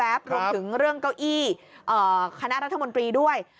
รวมถึงเรื่องเก้าอี้คณะรัฐมนตรีด้วย